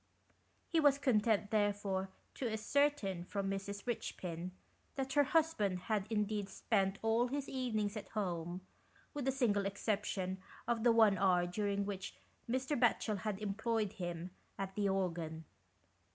He was content, therefore, to ascertain from Mrs. Eichpin that her husband had indeed spent all his evenings at home, with the single exception of the one hour during which Mr. Batchel had employed him at the organ.